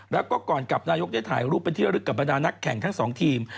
แล้วก็ก่อนกับนายกได้ถ่ายรูปเป็นที่ระลึกกับบรรดานักแข่งทั้งสองทีม